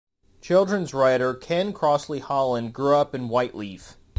Children's writer Kevin Crossley-Holland grew up in Whiteleaf.